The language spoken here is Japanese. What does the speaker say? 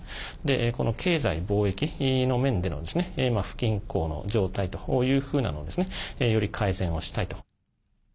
この経済、貿易の面での不均衡の状態というふうなのをより改善をしたいと。